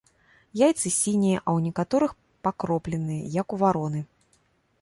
Яйцы сінія, а ў некаторых пакропленыя, як у вароны.